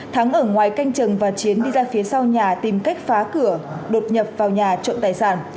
thắng ở ngoài canh chừng và chiến đi ra phía sau nhà tìm cách phá cửa đột nhập vào nhà trộm tài sản